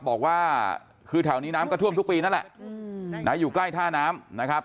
บอกว่าคือแถวนี้น้ำก็ท่วมทุกปีนั่นแหละอยู่ใกล้ท่าน้ำนะครับ